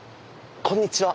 こんにちは。